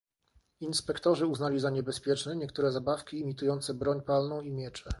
Inspektorzy uznali za niebezpieczne niektóre zabawki imitujące broń palną i miecze